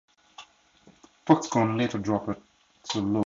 Foxconn later dropped the lawsuit.